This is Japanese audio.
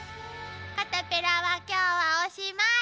カタペラは今日はおしまい。